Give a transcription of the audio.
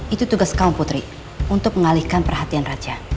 itu tugas kaum putri untuk mengalihkan perhatian raja